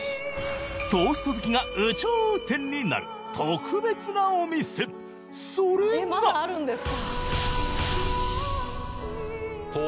トースト好きが有頂天になる特別なお店それががあります